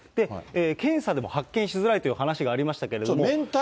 検査でも発見しづらいという話がありましたけども。